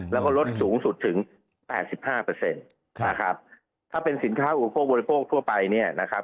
แล้วก็ลดสูงสุดถึงแปดสิบห้าเปอร์เซ็นต์นะครับถ้าเป็นสินค้าอุปโภคบริโภคทั่วไปเนี่ยนะครับ